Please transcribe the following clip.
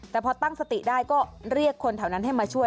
แต่พอตั้งสติได้ก็เรียกคนแถวนั้นให้มาช่วย